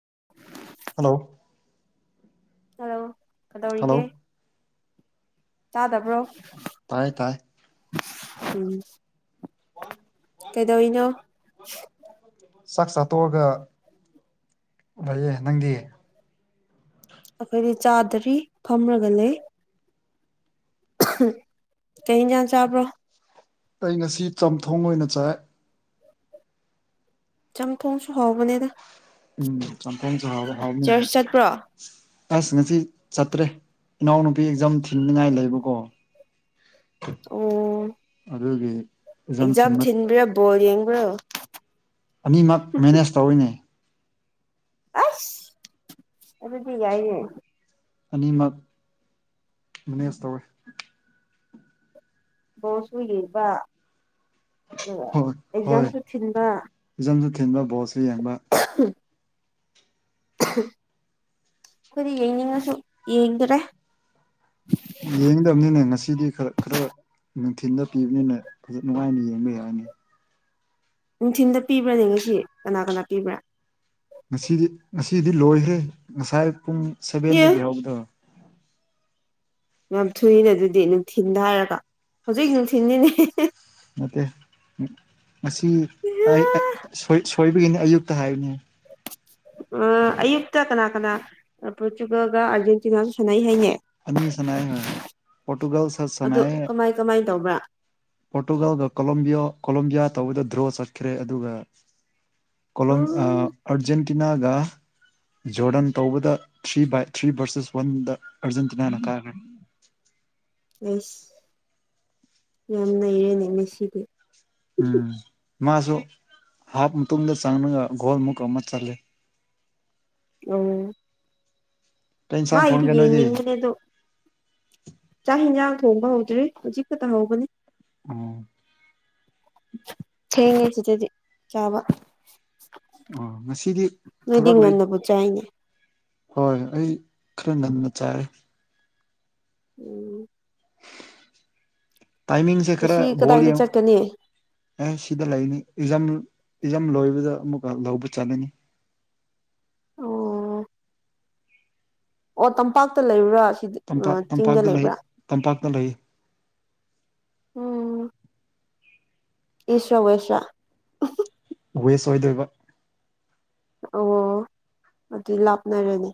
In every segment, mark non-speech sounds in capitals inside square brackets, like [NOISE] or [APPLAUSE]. [INAUDIBLE] hello hello hello ꯀꯩꯗꯧꯔꯤꯒꯦ ꯇꯥꯗꯕ꯭ꯔꯣ ꯇꯥꯏ ꯇꯥꯏ ꯎꯝ ꯀꯩꯗꯧꯔꯤꯅꯣ ꯆꯥꯛ ꯆꯥ ꯇꯣꯛꯑꯒ ꯂꯩꯌꯦ ꯅꯪꯗꯤ ꯑꯈꯣꯏꯗꯤ ꯆꯥꯗꯔꯤ ꯐꯝꯔꯒ ꯂꯩ ꯀꯩ ꯏꯪꯖꯥꯡ ꯆꯥꯕ꯭ꯔꯣ ꯑꯩ ꯉꯁꯤ ꯆꯝꯊꯣꯡ ꯑꯣꯏꯅ ꯆꯥꯏ ꯆꯝꯊꯣꯡꯁꯨ ꯍꯥꯎꯕꯅꯦꯗ ꯎꯝ ꯆꯝꯊꯣꯡꯁꯨ ꯍꯥꯎꯑꯦ ꯍꯥꯎꯕꯅꯤ ꯆꯔꯆ ꯆꯠꯄ꯭ꯔꯣ ꯑꯁ ꯉꯁꯤ ꯆꯠꯇ꯭ꯔꯦ ꯏꯅꯥꯎꯅꯨꯄꯤ ꯑꯦꯛꯖꯥꯝ ꯊꯤꯟꯅꯤꯉꯥꯏ ꯂꯩꯕꯀꯣ ꯑꯣ ꯑꯗꯨꯒꯤ ꯑꯦꯛꯖꯥꯝ ꯊꯤꯟꯕ꯭ꯔꯥ ꯕꯣꯜ ꯌꯦꯡꯕ꯭ꯔꯣ ꯑꯅꯤꯃꯛ ꯃꯦꯅꯦꯖ ꯇꯧꯋꯤꯅꯦ ꯑꯁ ꯑꯗꯨꯗꯤ ꯌꯥꯏꯅꯦ ꯑꯅꯤꯃꯛ ꯃꯦꯅꯦꯖ ꯇꯧꯋꯦ ꯕꯣꯜꯁꯨ ꯌꯦꯡꯕ ꯑꯗꯨꯒ ꯍꯣꯏ ꯍꯣꯏ ꯑꯦꯛꯖꯥꯝꯁꯨ ꯊꯤꯟꯕ ꯑꯦꯛꯖꯥꯝꯁꯨ ꯊꯤꯟꯕ ꯕꯣꯜꯁꯨ ꯌꯦꯡꯕ [INAUDIBLE] ꯑꯩꯈꯣꯏꯗꯤ ꯌꯦꯡꯅꯤꯡꯉꯁꯨ ꯌꯦꯡꯗꯔꯦ ꯌꯦꯡꯗꯕꯅꯤꯅꯦ ꯉꯁꯤꯗꯤ ꯈꯔ ꯈꯔ ꯅꯨꯡꯊꯤꯜꯗ ꯄꯤꯕꯅꯤꯅ ꯐꯖ ꯅꯨꯡꯉꯥꯏꯅ ꯌꯦꯡꯕ ꯌꯥꯔꯅꯤ ꯅꯨꯡꯊꯤꯟꯗ ꯄꯤꯕ꯭ꯔꯥꯅꯦ ꯉꯁꯤ ꯀꯅꯥ ꯀꯅꯥ ꯄꯤꯕ꯭ꯔꯥ ꯉꯁꯤꯗꯤ ꯉꯁꯤꯗꯤ ꯂꯣꯏꯈ꯭ꯔꯦ ꯉꯁꯥꯏ ꯄꯨꯡ ꯑꯦ ꯁꯚꯦꯟꯗꯒꯤ ꯍꯧꯕꯗ ꯌꯥꯝ ꯊꯨꯏꯅꯦ ꯑꯗꯨꯗꯤ ꯅꯨꯡꯊꯤꯟꯗ ꯍꯥꯏꯔꯒ ꯍꯧꯖꯤꯛ ꯅꯨꯡꯊꯤꯟꯅꯤꯅꯦ ꯅꯠꯇꯦ ꯉꯁꯤ ꯑꯩ ꯑ ꯁꯣꯢ ꯁꯣꯏꯕꯒꯤꯅꯤ ꯑꯌꯨꯛꯇ ꯍꯥꯏꯕꯅꯦ [INAUDIBLE] ꯑ ꯑꯌꯨꯛꯇ ꯀꯅꯥ ꯀꯅꯥ ꯄꯣꯔꯇꯨꯒꯜꯒ ꯑꯥꯔꯖꯦꯟꯇꯤꯅꯥꯅ ꯁꯥꯟꯅꯩ ꯍꯥꯏꯅꯦ ꯑꯅꯤ ꯁꯅꯥ ꯍꯥꯏ ꯄꯣꯔꯇꯨꯒꯜ ꯁ ꯑꯗꯣ ꯁꯅꯥꯏꯌꯦ ꯀꯃꯥꯏ ꯀꯃꯥꯏ ꯇꯧꯕ꯭ꯔꯥ ꯄꯣꯔꯇꯨꯒꯥꯜꯒ ꯀꯂꯝꯕꯤꯌꯣ ꯀꯂꯝꯕꯤꯌꯥ ꯇꯧꯕꯗ ꯗ꯭ꯔꯣ ꯆꯠꯈ꯭ꯔꯦ ꯑꯗꯨꯒꯣ ꯀꯣꯂꯝ ꯑ ꯎꯝ ꯑꯔꯖꯦꯟ ꯇꯤꯅꯥꯒ ꯖꯣꯔꯗꯟ ꯇꯧꯕꯗ ꯊ꯭ꯔꯤ ꯕꯥꯏ ꯊ꯭ꯔꯤ ꯚꯔꯁꯦꯁ ꯋꯥꯟꯗ ꯑꯔꯖꯦꯟꯇꯤꯅꯥꯅ ꯀꯥꯒ꯭ꯔꯦ ꯑꯦꯁ ꯌꯥꯝ ꯅꯩꯔꯦꯅꯦ ꯃꯦꯁꯤꯗꯤ ꯎꯝ ꯃꯥꯁꯨ ꯍꯥꯞ ꯃꯇꯨꯡꯗ ꯆꯪꯔꯒ ꯒꯣꯜꯃꯨꯛ ꯑꯃ ꯆꯜꯂꯦ ꯑꯣ ꯀꯩ ꯃꯥ ꯏꯟꯁꯥꯡ ꯏꯗꯤ ꯊꯣꯡꯒꯦ ꯅꯣꯏꯗꯤ ꯌꯦꯅꯤꯡꯕꯅꯦ ꯑꯗꯣ ꯆꯥꯛ ꯏꯟꯁꯥꯡ ꯊꯣꯡꯕ ꯍꯧꯗ꯭ꯔꯤ ꯍꯧꯖꯤꯛ ꯈꯛꯇ ꯍꯧꯕꯅꯤ ꯑꯣ ꯊꯦꯡꯉꯦ ꯁꯤꯗꯗꯤ ꯆꯥꯕ ꯑꯣ ꯉꯁꯤꯗꯤ ꯅꯣꯏꯗꯤ ꯊꯕꯛ ꯂꯩ ꯉꯟꯅꯕꯨ ꯆꯥꯏꯅꯦ ꯍꯣꯏ ꯑꯩ ꯈꯔ ꯉꯟꯅ ꯆꯥꯔꯦ ꯎꯝ ꯇꯥꯏꯃꯤꯡꯁꯦ ꯈꯔ ꯉꯁꯤ ꯕꯣꯜ ꯀꯗꯥꯏꯗ ꯌꯦꯡ ꯆꯠꯀꯅꯤ ꯑꯦ ꯁꯤꯗ ꯂꯩꯅꯤ ꯑꯦꯛꯖꯥꯝ ꯑꯦꯛꯖꯥꯝ ꯂꯣꯏꯕꯗ ꯑꯃꯨꯛꯀ ꯂꯧꯕ ꯆꯥꯂꯅꯤ ꯑꯣ ꯑꯣ ꯇꯝꯄꯥꯛꯇ ꯂꯩꯕ꯭ꯔꯥ ꯁꯤ ꯇꯝꯄꯥꯛ ꯆꯤꯡꯗ ꯇꯝꯄꯥꯛꯇ ꯂꯩ ꯂꯩꯕ꯭ꯔꯥ ꯇꯝꯄꯥꯛꯇ ꯂꯩ ꯎꯝ ꯏꯁ ꯔ ꯋꯦꯁꯂ ꯋꯦꯁ ꯑꯣꯏꯗꯣꯏꯕ ꯑꯣ ꯑꯗꯨ ꯂꯥꯞꯅꯔꯅꯤ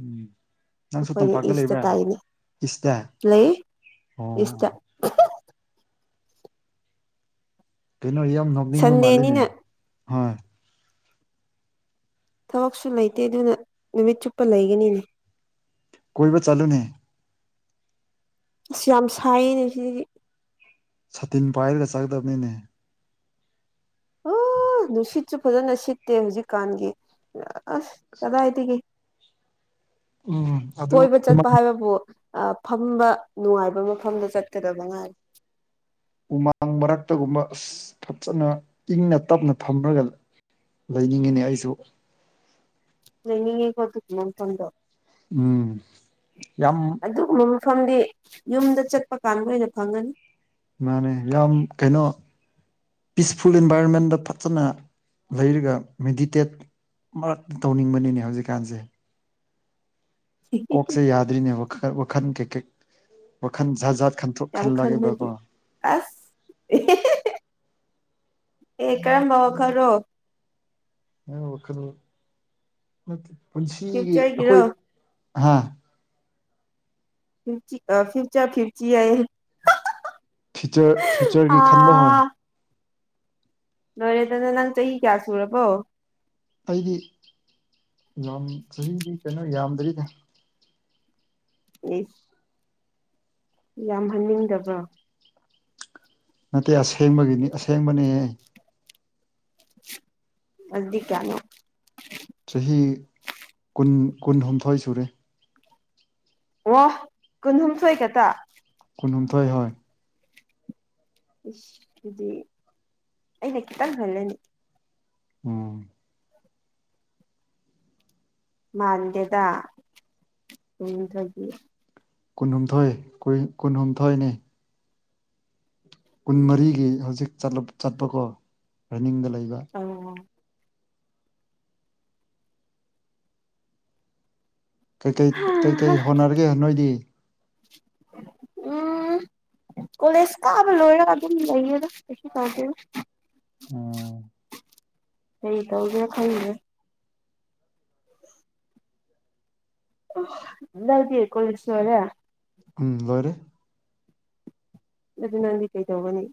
ꯎꯝ ꯅꯪꯁꯨ ꯑꯩꯈꯣꯏꯅ ꯇꯝꯄꯥꯛꯇ ꯏꯁꯇ ꯂꯩꯕ꯭ꯔꯥ ꯇꯥꯏꯅꯦ ꯏꯁꯇ ꯂꯩ ꯏꯁ ꯑꯣ ꯇ ꯀꯩꯅꯣ ꯏ ꯌꯥꯝ ꯅꯣꯛꯅꯤꯡꯕ ꯃꯥꯜꯂꯤꯅꯦ ꯁꯟꯗꯦꯅꯤꯅ ꯍꯣꯏ ꯊꯕꯛꯁꯨ ꯂꯩꯇꯦ ꯑꯗꯨꯅ ꯅꯨꯃꯤꯠ ꯆꯨꯞꯄ ꯂꯩꯒꯅꯤꯅꯦ ꯀꯣꯏꯕ ꯆꯠꯂꯨꯅꯦ ꯑꯁ ꯌꯥꯝ ꯁꯥꯏꯅꯦ ꯁꯤꯗꯤ ꯁꯇꯤꯟ ꯄꯥꯏꯔꯒ ꯆꯠꯀꯗꯕꯅꯤꯅꯦ ꯑꯣ ꯅꯨꯡꯁꯤꯠꯁꯨ ꯐꯖꯅ ꯁꯤꯠꯇꯦ ꯍꯧꯖꯤꯛꯀꯥꯟꯒꯤ ꯑꯁ ꯀꯗꯥꯏꯗꯒꯤ ꯎꯝ ꯑꯗꯨ ꯀꯣꯏꯕ ꯆꯠꯄ ꯍꯥꯏꯕꯕꯨ ꯑ ꯐꯝꯕ ꯅꯨꯡꯉꯥꯏꯕ ꯃꯐꯝꯗ ꯆꯠꯀꯗꯕ ꯉꯥꯏ ꯎꯃꯥꯡ ꯃꯔꯛꯇꯒꯨꯝꯕ ꯑꯁ ꯐꯖꯅ ꯏꯪꯅ ꯇꯞꯅ ꯐꯝꯔꯒ ꯂꯩꯅꯤꯡꯉꯦꯅꯦ ꯑꯩꯁꯨ ꯂꯩꯅꯤꯡꯉꯦꯀꯣ ꯑꯗꯨꯒꯤ ꯂꯦꯟꯇ꯭ꯔꯟꯗꯣ ꯎꯝ ꯌꯥꯝ ꯑꯗꯨꯒꯨꯝꯕ ꯃꯐꯝꯗꯤ ꯌꯨꯝꯗ ꯆꯠꯄ ꯀꯥꯟꯗ ꯑꯣꯏꯅ ꯐꯪꯉꯅꯤ ꯃꯥꯅꯦ ꯌꯥꯝ ꯀꯩꯅꯣ ꯄꯤꯁꯐꯨꯜ ꯏꯟꯚꯥꯏꯔꯣꯟꯃꯦꯟꯗ ꯐꯖꯅ ꯂꯩꯔꯒ ꯃꯦꯗꯤꯇꯦꯠ ꯃꯔꯛꯇ ꯇꯧꯅꯤꯡꯕꯅꯦꯅꯦ ꯍꯧꯖꯤꯛꯀꯥꯟꯁꯦ ꯀꯣꯛꯁꯦ ꯌꯥꯗ꯭ꯔꯤꯅꯦ ꯋꯥꯈꯜ ꯋꯥꯈꯟ ꯀꯩꯀꯩ ꯋꯥꯈꯜ ꯖꯥꯖꯥꯠ ꯌꯥꯝ ꯈꯟꯕꯒꯤ ꯑꯁ ꯑꯦꯍꯦꯍꯦꯍꯦ ꯑꯦ ꯀꯔꯝꯕ ꯋꯥꯈꯜꯔꯣ ꯅꯪ ꯋꯥꯈꯜ ꯅꯠꯇꯦ ꯄꯨꯟꯁꯤꯒꯤ ꯐ꯭ꯌꯨꯆꯔꯒꯤꯔꯣ ꯑꯩꯈꯣꯏ ꯑꯍꯥꯥ ꯐꯤꯔꯆꯤ ꯑ ꯐꯤꯌꯨꯆꯥꯔ ꯐꯤꯎꯆꯤ ꯌꯥꯢꯌꯦ ꯍꯥꯍꯥꯍꯥ ꯐꯤꯆꯔ ꯐꯤꯌꯨꯆꯔꯒꯤ ꯈꯟꯕ ꯍꯣꯏ ꯂꯣꯏꯔꯦꯗꯅ ꯅꯪ ꯆꯍꯤ ꯀꯌꯥ ꯁꯨꯔꯕꯣ ꯑꯩꯗꯤ ꯌꯥꯝ ꯆꯍꯤꯗꯤ ꯀꯩꯅꯣ ꯌꯥꯝꯗ꯭ꯔꯤꯗ ꯢꯁ ꯌꯥꯝꯍꯟꯅꯤꯡꯗꯕ꯭ꯔꯣ ꯅꯠꯇꯦ ꯑꯁꯦꯡꯕꯒꯤꯅꯤ ꯑꯁꯦꯡꯕꯅꯦꯍꯦ ꯑꯗꯨꯗꯤ ꯀꯌꯥꯅꯣ ꯆꯍꯤ ꯀꯨꯟ ꯀꯨꯟꯍꯨꯝꯗꯣꯏ ꯁꯨꯔꯦ ꯋꯥ ꯀꯨꯟꯍꯨꯝꯊꯣꯏ ꯀꯛꯇ ꯀꯨꯟꯍꯨꯝꯊꯣꯢ ꯍꯣꯢ ꯏꯁ ꯗꯨꯗꯤ ꯑꯩꯅ ꯈꯤꯇꯪ ꯍꯜꯂꯦꯅꯦ ꯎꯝ ꯃꯥꯟꯗꯦꯗ ꯀꯨꯟꯍꯨꯝꯊꯣꯏꯗꯤ ꯀꯨꯟꯍꯨꯝꯊꯣꯏ ꯀꯨꯟ ꯀꯨꯟꯍꯨꯝꯊꯣꯏꯅꯦ ꯀꯨꯟ ꯃꯔꯤꯒꯤ ꯍꯧꯖꯤꯛ ꯆꯂꯨꯞ ꯆꯠꯄꯀꯣ ꯔꯟꯅꯤꯡꯗ ꯂꯩꯕ ꯑꯣ ꯀꯩꯀꯩ ꯀꯩꯀꯩ ꯍꯥ ꯍꯣꯠꯅꯔꯒꯦ ꯅꯣꯏꯗꯤ ꯎꯝ ꯀꯣꯂꯦꯁ ꯀꯥꯕ ꯂꯣꯢꯔꯒ ꯑꯗꯨꯝ ꯂꯩꯌꯦꯗ ꯀꯩꯁꯨ ꯊꯧꯗꯦꯗ ꯑꯣ ꯀꯔꯤ ꯊꯧꯒꯦꯔ ꯈꯪꯗ꯭ꯔꯦ ꯑꯣ ꯅꯪꯗꯤ ꯀꯣꯂꯦꯁ ꯂꯣꯢꯔꯦ ꯎꯝ ꯂꯣꯢꯔꯦ ꯑꯗꯨ ꯅꯪꯗꯤ ꯀꯩꯗꯧꯒꯅꯤ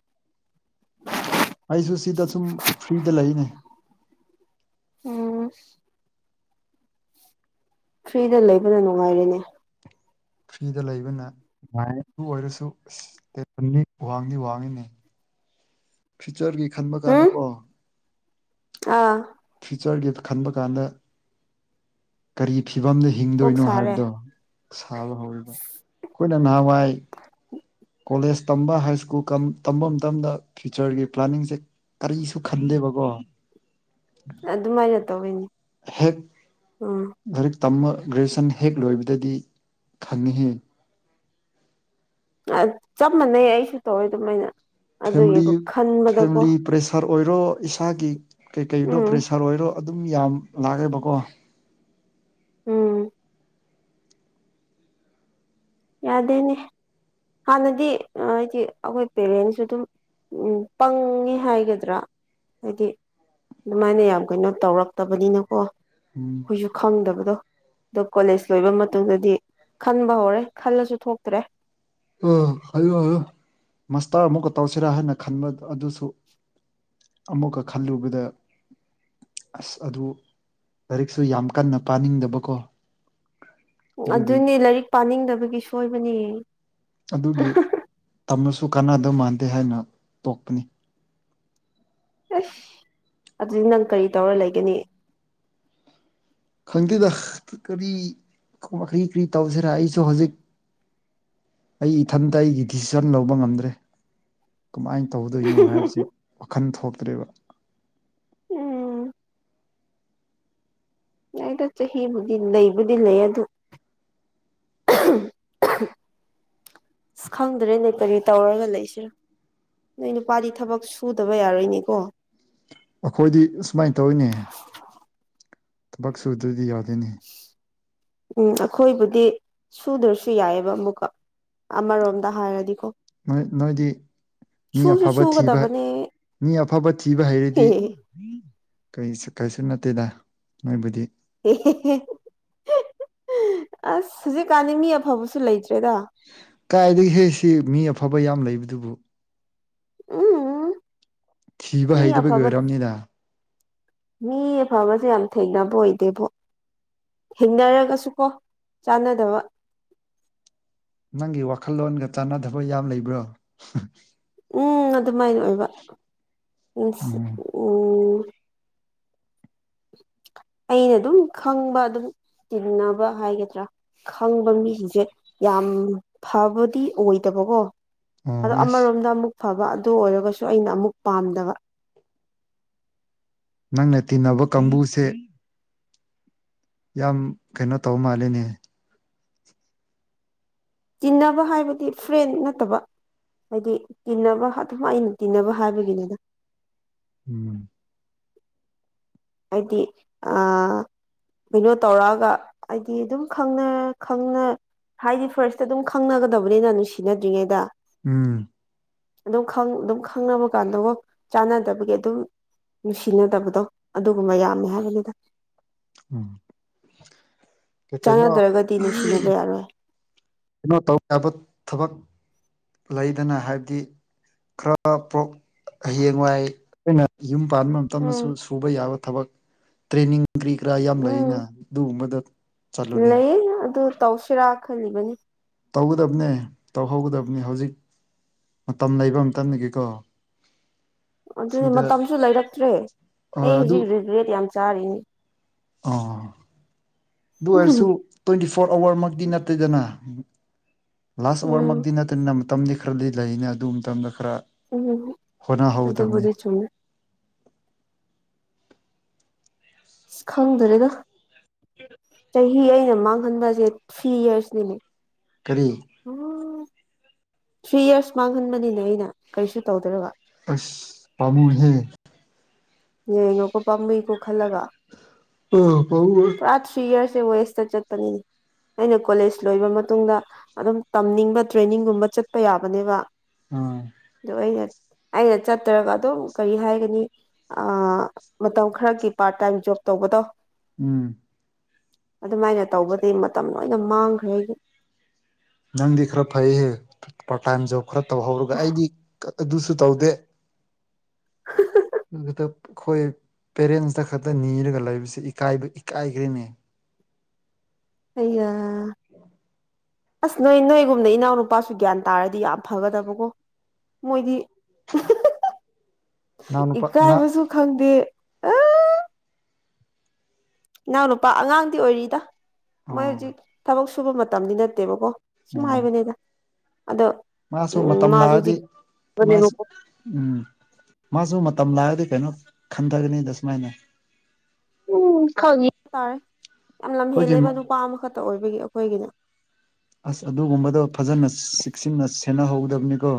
ꯑꯩꯁꯨ ꯁꯤꯗ ꯁꯨꯝ ꯐ꯭ꯔꯤꯗ ꯂꯩꯌꯦꯅꯦ ꯎꯝ ꯐ꯭ꯔꯤꯗ ꯂꯩꯕꯅ ꯅꯨꯡꯉꯥꯏꯔꯦꯅꯦ ꯐ꯭ꯔꯤꯗ ꯂꯩꯕꯅ ꯅꯨꯡꯉꯥꯢꯌꯦ ꯑꯗꯨ ꯑꯣꯏꯔꯁꯨ ꯢꯁ ꯇꯦꯕꯟꯗꯤ ꯋꯥꯡꯗꯤ ꯋꯥꯡꯉꯤꯅꯦ [INAUDIBLE] ꯆꯔꯒꯤ ꯈꯟꯕ ꯀꯥꯟꯗ ꯎꯝ ꯀꯣ ꯑꯥ ꯐ꯭ꯌꯨꯆꯔꯒꯤ ꯈꯟꯕ ꯀꯥꯟꯗ ꯀꯔꯤ ꯐꯤꯕꯝꯗ ꯀꯣꯛ ꯍꯤꯡꯗꯣꯏꯅꯣ ꯁꯥꯔꯦ ꯍꯥꯏꯕꯗꯣ ꯁꯥꯕ ꯍꯧꯔꯦꯕ ꯑꯩꯈꯣꯏꯅ ꯅꯍꯥꯟꯋꯥꯏ ꯀꯣꯂꯦꯖ ꯇꯝꯕ ꯍꯥꯏ ꯁ꯭ꯀꯨꯜ ꯇꯝꯕ ꯃꯇꯝꯗ ꯐ꯭ꯌꯨꯆꯔꯒꯤ ꯄ꯭ꯂꯥꯅꯤꯡꯁꯦ ꯀꯔꯤꯁꯨ ꯈꯟꯗꯦꯕꯀꯣ ꯑꯗꯨꯃꯥꯏꯅ ꯇꯧꯋꯤꯅꯤ ꯎꯝ ꯇꯝꯃ ꯒ꯭ꯔꯦꯖꯨꯋꯦꯁꯟ ꯍꯦꯛ ꯂꯣꯏꯕꯗꯗꯤ ꯈꯪꯉꯦꯍꯦ ꯑ ꯆꯞ ꯃꯥꯟꯅꯩ ꯑꯩꯁꯨ ꯇꯧꯋꯦ ꯑꯗꯨꯃꯥꯏꯅ ꯐꯦꯝꯂꯤ ꯑꯗꯨꯒꯤꯀꯣ ꯈꯟꯕꯗꯀꯣ ꯐꯦꯝꯃꯂꯤ ꯄ꯭ꯔꯦꯁꯔ ꯑꯣꯏꯔꯣ ꯏꯁꯥꯒꯤ ꯀꯩ ꯀꯩꯅꯣ ꯎꯝ ꯄ꯭ꯔꯦꯁꯔ ꯑꯣꯏꯔꯣ ꯑꯗꯨꯝ ꯌꯥꯝ ꯂꯥꯛꯑꯦꯕꯀꯣ ꯎꯝ ꯌꯥꯗꯦꯅꯦ ꯍꯥꯟꯅꯗꯤ ꯍꯥꯏꯗꯤ ꯑꯩꯈꯣꯏ ꯄꯦꯔꯦꯟꯁꯨ ꯑꯗꯨꯝ ꯎꯝ ꯄꯪꯉꯦ ꯍꯥꯏꯒꯗ꯭ꯔꯥ ꯍꯥꯏꯗꯤ ꯑꯗꯨꯃꯥꯏꯅ ꯌꯥꯝ ꯀꯩꯅꯣ ꯇꯧꯔꯛꯇꯕꯅꯤꯅꯀꯣ ꯎꯝ ꯑꯩꯈꯣꯏꯁꯨ ꯈꯪꯗꯕꯗꯣ ꯑꯗꯣ ꯀꯣꯂꯦꯖ ꯂꯣꯏꯕ ꯃꯇꯨꯡꯗꯗꯤ ꯈꯟꯕ ꯍꯧꯔꯦ ꯈꯜꯂꯁꯨ ꯊꯣꯛꯇ꯭ꯔꯦ ꯑ ꯍꯥꯏꯌꯣ ꯍꯥꯢꯌꯣ ꯃꯁꯇꯔ ꯑꯃꯨꯛꯀ ꯇꯧꯁꯤꯔꯥ ꯍꯥꯏꯅ ꯈꯟꯕ ꯑꯗꯨꯁꯨ ꯑꯃꯨꯛꯀ ꯈꯜꯂꯨꯕꯗ ꯑꯁ ꯑꯗꯨ ꯂꯥꯏꯔꯤꯛꯁꯨ ꯌꯥꯝ ꯀꯟꯅ ꯄꯥꯅꯤꯡꯗꯕꯀꯣ ꯑꯗꯨꯒꯤ ꯑꯗꯨꯅꯦ ꯂꯥꯏꯔꯤꯛ ꯄꯥꯅꯤꯡꯗꯕꯒꯤ ꯁꯣꯏꯕꯅꯦ ꯑꯗꯨꯒꯤ ꯇꯝꯔꯁꯨ ꯀꯥꯟꯅꯗꯧ ꯃꯥꯟꯗꯦ ꯍꯥꯏꯅ ꯇꯣꯛꯄꯅꯤ ꯑꯩꯁ ꯑꯗꯨꯗꯤ ꯅꯪ ꯀꯔꯤ ꯇꯧꯔ ꯂꯩꯒꯅꯤ ꯈꯪꯗꯦꯗ ꯀꯔꯤ ꯀ꯭ꯔꯤ ꯀ꯭ꯔꯤ ꯇꯧꯁꯤꯔꯥ ꯑꯩꯁꯨ ꯍꯧꯖꯤꯛ ꯑꯩ ꯏꯊꯟꯇ ꯑꯩꯒꯤ ꯗꯤꯁꯤꯖꯟ ꯂꯧꯕ ꯉꯝꯗ꯭ꯔꯦ ꯀꯃꯥꯏꯟ ꯇꯧꯗꯣꯏꯅꯣ ꯍꯥꯏꯕꯁꯤ ꯋꯥꯈꯜ ꯊꯣꯛꯇ꯭ꯔꯦꯕ ꯎꯝ ꯅꯪ ꯆꯍꯤꯕꯨꯗꯤ ꯂꯩꯕꯨꯗꯤ ꯂꯩ ꯑꯗꯨ [UNINTELLIGIBLE] ꯑꯁ ꯈꯪꯗ꯭ꯔꯦꯅꯦ ꯀꯔꯤ ꯇꯧꯔꯒ ꯂꯩꯁꯤꯔꯥ ꯅꯣꯏ ꯅꯨꯄꯥꯗꯤ ꯊꯕꯛ ꯁꯨꯗꯕ ꯌꯥꯔꯣꯏꯅꯦ ꯑꯩꯈꯣꯏꯗꯤ ꯑꯁꯨꯃꯥꯏꯅ ꯇꯧꯋꯤꯅꯦ ꯊꯕꯛ ꯁꯨꯗ꯭ꯔꯗꯤ ꯌꯥꯗꯦꯅꯦ ꯎꯝ ꯑꯈꯣꯏꯕꯨꯗꯤ ꯁꯨꯗ꯭ꯔꯁꯨ ꯌꯥꯏꯌꯦꯕ ꯃꯨꯛꯀ ꯑꯃꯔꯣꯝꯗ ꯍꯥꯏꯔꯗꯤꯀꯣ ꯍꯣꯏ ꯅꯣꯏꯗꯤ ꯃꯤ ꯁꯨꯁꯨ ꯑꯐꯕ ꯊꯤꯕ ꯁꯨꯒꯗꯕꯅꯦ ꯃꯤ ꯑꯐꯕ ꯊꯤꯕ ꯍꯩꯔꯗꯤ ꯀꯔꯤꯁꯨ ꯀꯔꯤꯁꯨ ꯅꯠꯇꯦꯗ ꯅꯣꯏꯕꯨꯗꯤ [UNINTELLIGIBLE] ꯑꯁ ꯍꯧꯖꯤꯛ ꯀꯥꯟꯅꯤ ꯃꯤ ꯑꯐꯕꯁꯨ ꯂꯩ ꯇꯦꯗ ꯀꯥꯏꯗꯒꯤ ꯍꯦꯛ ꯁꯤ ꯃꯤ ꯑꯐꯕ ꯌꯥꯝ ꯂꯩꯕꯗꯨꯕꯨ ꯎꯝ ꯊꯤꯕ ꯃꯤ ꯍꯩꯇꯕꯒꯤ ꯑꯐꯕ ꯑꯣꯏꯔꯝꯅꯤꯗ ꯃꯤ ꯑꯐꯕꯁꯦ ꯌꯥꯝ ꯊꯦꯡꯅꯕ ꯑꯣꯏꯗꯦꯕꯣ ꯍꯤꯡꯅꯔꯒꯁꯨ ꯀꯣ ꯆꯥꯟꯅꯗꯕ ꯅꯪꯒꯤ ꯋꯥꯈꯜꯂꯣꯟꯒ ꯆꯥꯟꯅꯗꯕ ꯌꯥꯝ ꯂꯩꯕ꯭ꯔꯣ ꯎꯝ ꯑꯗꯨꯃꯥꯏꯅ ꯑꯣꯏꯕ ꯑꯣ [UNINTELLIGIBLE] ꯎꯝ ꯑꯩꯅ ꯑꯗꯨꯝ ꯈꯪꯕ ꯑꯗꯨꯝ ꯇꯤꯟꯅꯕ ꯍꯥꯏꯒꯗ꯭ꯔꯥ ꯈꯪꯕ ꯃꯤꯁꯤꯡꯁꯦ ꯌꯥꯝ ꯐꯕꯗꯤ ꯑꯣꯏꯗꯕꯀꯣ ꯑꯗꯣ ꯑꯣ ꯑꯁ ꯑꯃꯔꯣꯝꯗ ꯑꯃꯨꯛ ꯐꯕ ꯑꯗꯨ ꯑꯣꯏꯔꯒꯁꯨ ꯑꯩꯅ ꯑꯃꯨꯛ ꯄꯥꯝꯗꯕ ꯅꯪꯅ ꯇꯤꯟꯅꯕ ꯀꯥꯡꯕꯨꯁꯦ ꯌꯥꯝ ꯀꯩꯅꯣ ꯇꯧ ꯃꯥꯜꯂꯦꯅꯦ ꯇꯤꯟꯅꯕ ꯍꯥꯏꯕꯗꯤ ꯐ꯭ꯔꯦꯟ ꯅꯠꯇꯕ ꯍꯥꯏꯗꯤ ꯇꯤꯟꯅꯕ ꯑꯗꯨꯝ ꯑꯩꯅ ꯇꯤꯟꯅꯕ ꯍꯥꯏꯕꯒꯤꯅꯦꯗ ꯎꯝ ꯍꯥꯏꯗꯤ ꯑꯥ ꯑꯗꯨ ꯇꯧꯔꯛꯑꯒ ꯍꯥꯏꯗꯤ ꯑꯗꯨꯝ ꯈꯪꯅ ꯈꯪꯉ ꯍꯥꯏꯗꯤ ꯐꯥꯔꯁꯇ ꯑꯗꯨꯝ ꯈꯪꯅꯒꯗꯕꯅꯤꯅ ꯅꯨꯡꯁꯤꯅꯗ꯭ꯔꯤꯉꯩꯗ ꯎꯝ ꯑꯗꯨꯝ ꯈꯪ ꯑꯗꯨꯝ ꯈꯪꯅꯕ ꯀꯥꯟꯗꯒꯣ ꯆꯥꯟꯅꯗꯕꯒꯤ ꯑꯗꯨꯝ ꯅꯨꯡꯁꯤꯅꯗꯕꯗꯣ ꯑꯗꯨꯒꯨꯝꯕ ꯌꯥꯝꯃꯦ ꯍꯥꯏꯕꯅꯤꯗ ꯑꯣ ꯀꯩꯀꯩꯅꯣ ꯆꯥꯟꯅꯗ꯭ꯔꯒꯗꯤ ꯅꯨꯡꯁꯤꯅꯕ ꯌꯥꯔꯣꯏ ꯀꯩꯅꯣ ꯇꯧꯗꯕ ꯊꯕꯛ ꯂꯩꯗꯅ ꯍꯥꯏꯕꯗꯤ ꯈꯔ ꯄꯣꯛ ꯍꯌꯦꯡꯋꯥꯏ ꯑꯩꯅ ꯌꯨꯝ ꯄꯥꯟꯕ ꯎꯝ ꯃꯇꯝꯗꯁꯨ ꯁꯨꯕ ꯌꯥꯕ ꯊꯕꯛ ꯇ꯭ꯔꯦꯅꯤꯡ ꯀ꯭ꯔꯤ ꯀ꯭ꯔꯥ ꯌꯥꯝ ꯎꯝ ꯂꯩꯅ ꯑꯗꯨꯒꯨꯝꯕꯗ ꯆꯠꯂꯨꯅꯦ ꯂꯩꯌꯦ ꯑꯗꯨ ꯇꯧꯁꯤꯔꯥ ꯈꯜꯂꯤꯕꯅꯤ ꯇꯧꯒꯗꯕꯅꯦ ꯇꯧꯍꯧꯒꯗꯕꯅꯦ ꯍꯧꯖꯤꯛ ꯃꯇꯝ ꯂꯩꯕ ꯃꯇꯝꯗꯒꯤꯀꯣ ꯑꯗꯨꯅꯤ ꯁꯤꯗ ꯃꯇꯝꯁꯨ ꯂꯩꯔꯛꯇ꯭ꯔꯦ ꯍꯣꯏ ꯑꯩ ꯍꯨꯖꯤꯛ ꯔꯤꯒ꯭ꯔꯦꯠ ꯌꯥꯝ ꯆꯥꯔꯤꯅꯤ ꯑꯣ ꯑꯗꯨ ꯑꯣꯏꯔꯁꯨ ꯇ꯭ꯋꯦꯟꯇꯤ ꯐꯣꯔ ꯑꯋꯔꯃꯛꯇꯤ ꯅꯠꯇꯦꯗꯅ ꯂꯥꯁ ꯎꯝ ꯑꯋꯔꯃꯛꯇꯤ ꯅꯠꯇꯅ ꯃꯇꯝꯗꯤ ꯈꯔꯗꯤ ꯂꯩꯅ ꯑꯗꯨ ꯃꯇꯝꯗ ꯈꯔ ꯎꯝ ꯈꯔ ꯍꯣꯠꯅꯍꯧꯗꯝꯅꯤ ꯑꯗꯨꯕꯨꯗꯤ ꯆꯨꯝꯃꯦ ꯑꯁ ꯈꯪꯗ꯭ꯔꯦꯗ ꯆꯍꯤ ꯑꯩꯅ ꯃꯥꯡꯍꯟꯕꯁꯦ ꯊ꯭ꯔꯤ ꯏꯌꯔꯁꯅꯤꯅꯦ ꯀꯔꯤ ꯎꯝ ꯊ꯭ꯔꯤ ꯌꯔꯁ ꯃꯥꯡꯍꯟꯕꯅꯤꯅꯦ ꯑꯩꯅ ꯀꯔꯤꯁꯨ ꯇꯧꯗ꯭ꯔꯒ ꯑꯁ ꯄꯥꯃꯨꯏꯍꯦ ꯌꯦꯉꯣ ꯄꯥꯝꯃꯨꯏꯀꯣ ꯈꯜꯂꯒ ꯑꯣ ꯄꯥꯝꯃꯨꯏ ꯇꯤ ꯋꯦꯁꯇ ꯆꯠꯄꯅꯤ ꯑꯩꯅ ꯀꯣꯂꯦꯖ ꯂꯣꯏꯕ ꯃꯇꯨꯡꯗ ꯑꯗꯨꯝ ꯇꯝꯅꯤꯡꯕ ꯇ꯭ꯔꯦꯅꯤꯡꯒꯨꯝꯕ ꯆꯠꯄ ꯌꯥꯕꯅꯦꯕ ꯑꯥ ꯑꯗꯨ ꯑꯩꯅ ꯑꯩꯅ ꯆꯠꯇꯔꯒ ꯑꯗꯨꯝ ꯀꯔꯤ ꯍꯥꯏꯒꯅꯤ ꯑ ꯃꯇꯝ ꯈꯔꯒꯤ ꯄꯥꯔꯠ ꯇꯥꯏꯝ ꯖꯣꯕ ꯇꯧꯕꯗꯣ ꯎꯝ ꯑꯗꯨꯃꯥꯏꯅ ꯇꯧꯕꯗꯤ ꯃꯇꯝ ꯂꯣꯏꯅ ꯃꯥꯡꯈ꯭ꯔꯦ ꯅꯪꯗꯤ ꯈꯔ ꯐꯩꯌꯦ ꯄꯥꯔꯠ ꯇꯥꯏꯝ ꯖꯣꯕ ꯈꯔ ꯇꯧꯍꯧꯔꯒ ꯑꯩꯗꯤ ꯑꯗꯨꯁꯨ ꯇꯧꯗꯦ ꯅꯪꯒꯤꯗ ꯈꯣꯏ ꯄꯦꯔꯦꯟꯁꯇ ꯈꯛꯇ ꯅꯤꯔꯒ ꯂꯩꯕꯁꯤ ꯏꯀꯥꯏꯕ ꯏꯀꯥꯏꯈ꯭ꯔꯦꯅꯦ ꯑꯩꯌꯥ ꯑꯁ ꯅꯣꯏ ꯅꯣꯏꯒꯨꯝꯅ ꯏꯅꯥꯎꯅꯨꯄꯥꯁꯨ ꯒ꯭ꯌꯥꯟ ꯇꯥꯔꯗꯤ ꯌꯥꯝ ꯐꯒꯗꯕꯀꯣ ꯃꯣꯏꯗꯤ ꯏꯅꯥꯎ ꯅꯨꯄꯥ ꯏꯅꯥ ꯏꯀꯥꯏꯕꯁꯨ ꯈꯪꯗꯦ ꯑ ꯏꯅꯥꯎꯅꯨꯄꯥ ꯑꯉꯥꯡꯗꯤ ꯑꯣꯏꯔꯤꯗ ꯃꯣꯏ ꯑꯣ ꯍꯧꯖꯤꯛ ꯊꯕꯛ ꯁꯨꯕ ꯃꯇꯝꯗꯤ ꯅꯠꯇꯦꯕꯀꯣ ꯎꯝ ꯁꯨꯝꯍꯥꯏꯕꯅꯦꯗ ꯃꯥꯁꯨ ꯃꯇꯝ ꯂꯥꯛꯑꯗꯤ ꯍꯧꯖꯤꯛ ꯃꯥꯁꯨ ꯅꯦꯕꯀꯣ ꯎꯝ ꯃꯥꯁꯨ ꯃ ꯃꯇꯝ ꯂꯥꯛꯑꯗꯤ ꯀꯩꯅꯣ ꯈꯟꯊꯒꯅꯤ ꯗ ꯁꯨꯃꯥꯏꯅ ꯎꯝ ꯈꯪꯉꯤ ꯍꯥꯏꯇꯥꯔꯦ ꯌꯥꯝ ꯂꯝ ꯑꯩꯈꯣꯏꯒꯤ ꯍꯦꯜꯂꯦꯕ ꯅꯨꯄꯥ ꯑꯃꯈꯛꯇ ꯑꯣꯏꯕꯒꯤ ꯑꯩꯈꯣꯏꯒꯤꯅꯦ ꯑꯁ ꯑꯗꯨꯒꯨꯝꯕꯗꯣ ꯐꯖꯅ ꯆꯦꯛꯁꯤꯟꯅ ꯁꯦꯟꯅꯍꯧꯗꯕꯅꯤꯀꯣ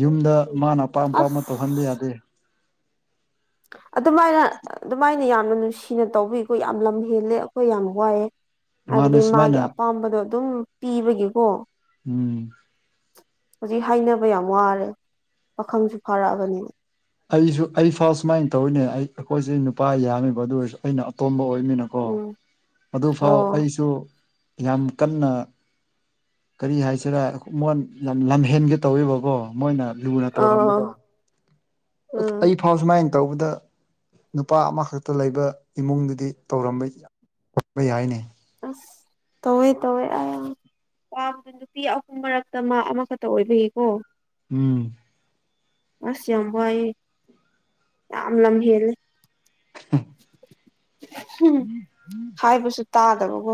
ꯌꯨꯝꯗ ꯃꯥꯅ ꯑꯄꯥꯝ ꯑꯄꯥꯝꯕ ꯑꯁ ꯇꯧꯍꯟꯕ ꯌꯥꯗꯦ ꯑꯗꯨꯃꯥꯏꯅ ꯑꯗꯨꯃꯥꯏꯅ ꯌꯥ ꯌꯥꯝꯅ ꯅꯨꯡꯁꯤꯅ ꯇꯧꯕꯤꯈꯣ ꯌꯥꯝ ꯂꯝ ꯍꯦꯜꯂꯦ ꯑꯩꯈꯣꯏ ꯌꯥꯝ ꯋꯥꯏꯑꯦ ꯃꯥꯅ ꯍꯥꯏꯕꯗꯤ ꯃꯥꯒꯤ ꯁꯨꯃꯥꯏꯅ ꯑꯄꯥꯝꯕꯗꯣ ꯑꯗꯨꯝ ꯄꯤꯕꯒꯤꯀꯣ ꯎꯝ ꯍꯧꯖꯤꯛ ꯍꯥꯏꯅꯕ ꯌꯥꯝ ꯋꯥꯔꯦ ꯄꯥꯈꯪꯁꯨ ꯐꯥꯔꯛꯑꯕꯅꯤꯅ ꯑꯩꯁꯨ ꯑꯩ ꯐꯥꯔ ꯁꯨꯃꯥꯏꯅ ꯇꯧꯔꯤꯅꯦ ꯑꯩ ꯑꯩꯈꯣꯏꯁꯦ ꯅꯨꯄꯥ ꯌꯥꯝꯃꯤꯕ ꯑꯗꯨ ꯑꯣꯏꯔꯁꯨ ꯑꯩꯅ ꯑꯇꯣꯝꯕ ꯑꯣꯏ ꯂꯩꯕꯅꯤꯅꯀꯣ ꯎꯝ ꯑꯗꯨ ꯐꯥꯎ ꯑꯣ ꯑꯩꯁꯨ ꯌꯥꯝ ꯀꯟꯅ ꯀꯔꯤ ꯍꯥꯏꯁꯤꯔꯥ ꯃꯣꯟ ꯌꯥꯝ ꯂꯝꯍꯦꯟꯒꯦ ꯇꯧꯋꯦꯕꯀꯣ ꯃꯣꯏꯅ ꯂꯨꯅ ꯑꯥ ꯇꯧꯔꯝꯕꯗꯣ ꯑꯗꯨ ꯎꯝ ꯑꯩ ꯐꯥꯎ ꯁꯨꯃꯥꯏꯅ ꯇꯧꯕꯗ ꯅꯨꯄꯥ ꯑꯃꯈꯛꯇ ꯂꯩꯕ ꯏꯃꯨꯡꯗꯨꯗꯤ ꯇꯧꯔꯝꯕꯝꯕ ꯌꯥꯏꯅꯦ ꯇꯧꯋꯦ ꯇꯧꯋꯦ ꯑꯌꯥ ꯄꯥꯕꯗ ꯅꯨꯄꯤ ꯑꯍꯨꯝ ꯃꯔꯛꯇ ꯃꯥ ꯑꯃꯈꯛꯇ ꯑꯣꯏꯕꯒꯤꯀꯣ ꯎꯝ ꯑꯁ ꯌꯥꯝ ꯋꯥꯢꯌꯦ ꯌꯥꯝ ꯂꯝ ꯍꯦꯜꯂꯦ ꯎꯝ ꯍꯥꯏꯕꯁꯨ ꯇꯥꯗꯕꯀꯣ